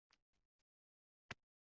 Lekin oʻzimga ham yetmayapti.